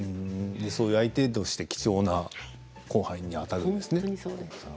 そういう相手として貴重な後輩なんですね。